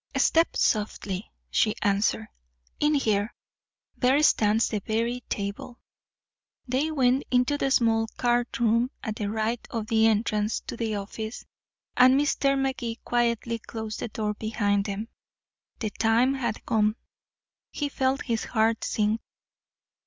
"Step softly," she answered. "In here. There stands the very table." They went into the small card room at the right of the entrance to the office, and Mr. Magee quietly closed the door behind them. The time had come. He felt his heart sink.